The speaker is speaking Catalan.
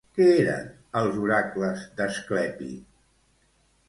Què eren els oracles d'Asclepi?